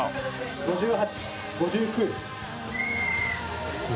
５８、５９。